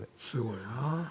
すごいな。